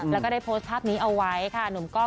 แล้วก็ได้โพสต์ภาพนี้เอาไว้ค่ะหนุ่มกล้อง